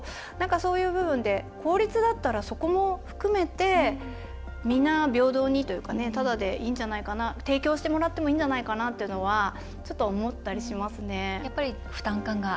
そういう部分で公立だったら、そこも含めて皆平等にというかタダで提供してもらってもいいんじゃないかなというのはちょっと思ったりしますね。